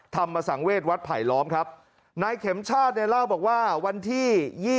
ธรรมสังเวศวัดไผลล้อมครับนายเข็มชาติเนี่ยเล่าบอกว่าวันที่๒๒